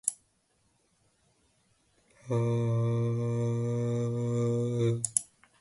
Pat nezinu, uz ko. Iespējams, uz ataugušajiem matiem un netīro māju.